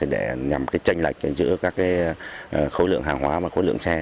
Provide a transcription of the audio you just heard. để nhằm tranh lệch giữa các khối lượng hàng hóa và khối lượng xe